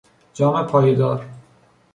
جام پایهدار